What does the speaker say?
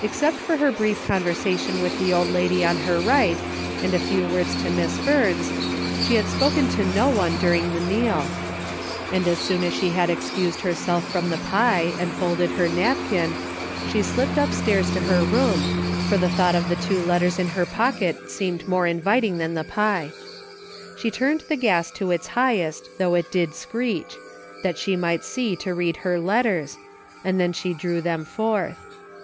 Except for her brief conversation with the old lady on her right, and a few words to Miss Eurns, she had spoken to no one during the meal, and as soon as she had excused herself from the pie and folded her napkin, she slipped upstairs to her room, for the thought 14 DAILY RATE!' of the two letters in her pocket seemed more inviting than the pie. She turned the gas to its highest though it did screech, that she might see to read her letters, and then she drew them forth.